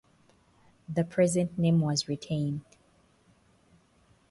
The present name was retained.